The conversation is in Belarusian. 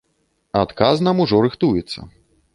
Адказ нам ужо рыхтуецца.